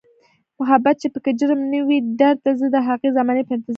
محبت چې پکې جرم نه وي درده، زه د هغې زمانې په انتظاریم